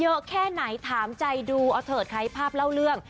เยอะแค่ไหนถามใจดูเอาเถิดใครภาพเล่าเรื่อง